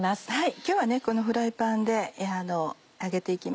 今日はこのフライパンで揚げて行きます。